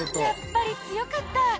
やっぱり強かった！